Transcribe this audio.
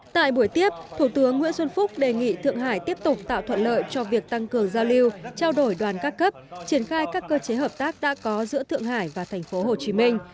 tại buổi tiếp thủ tướng nguyễn xuân phúc đề nghị thượng hải tiếp tục tạo thuận lợi cho việc tăng cường giao lưu trao đổi đoàn các cấp triển khai các cơ chế hợp tác đã có giữa thượng hải và thành phố hồ chí minh